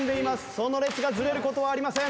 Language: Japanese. その列がずれる事はありません。